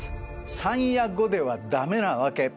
３や５では駄目なわけ。